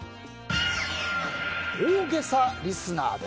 大げさリスナー。